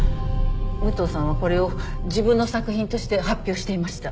武藤さんはこれを自分の作品として発表していました。